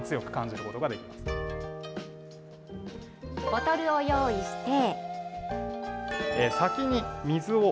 ボトルを用意して。